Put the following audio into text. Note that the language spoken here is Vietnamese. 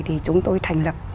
thì chúng tôi thành lập